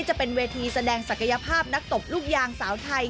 จะเป็นเวทีแสดงศักยภาพนักตบลูกยางสาวไทย